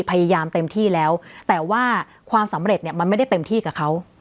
พยายามเต็มที่แล้วแต่ว่าความสำเร็จเนี่ยมันไม่ได้เต็มที่กับเขา